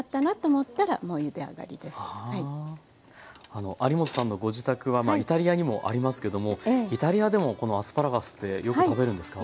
あの有元さんのご自宅はイタリアにもありますけどもイタリアでもこのアスパラガスってよく食べるんですか？